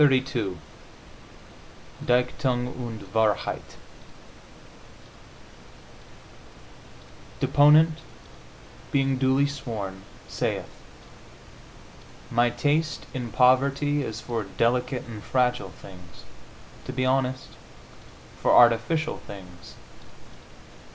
XXXII DICHTUNG UND WAHRHEIT Deponent, being duly sworn, saith: My taste in poetry is for delicate and fragile things to be honest, for artificial things.